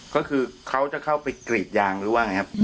ก็คือเขาจะเข้าไปกรีดยางหรือว่าไงครับ